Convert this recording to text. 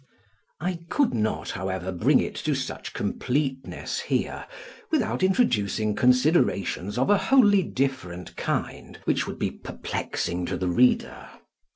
I could not, however, bring it to such completeness here, without introducing considerations of a wholly different kind, which would be perplexing to the reader.